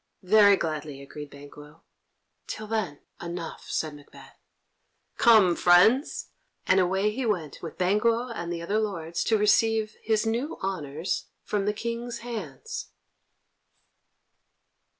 "Very gladly," agreed Banquo. "Till then, enough," said Macbeth. "Come, friends;" and away he went with Banquo and the other lords to receive his new honours from the King's hands.